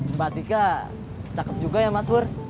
mbak tika cakep juga ya mas bur